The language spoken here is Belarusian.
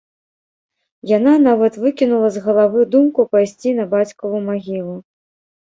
Яна нават выкінула з галавы думку пайсці на бацькаву магілу.